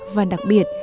và đặc biệt